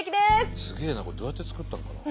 すげえなこれどうやって作ったんだろう？